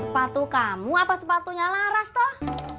sepatu kamu apa sepatunya laras toh